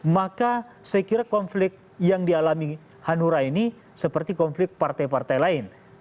maka saya kira konflik yang dialami hanura ini seperti konflik partai partai lain